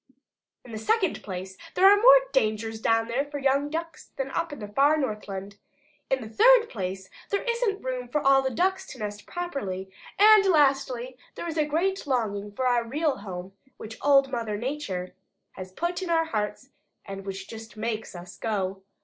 In the second place there are more dangers down there for young Ducks than up in the far Northland. In the third place there isn't room for all the Ducks to nest properly. And lastly there is a great longing for our real home, which Old Mother Nature has put in our hearts and which just MAKES us go.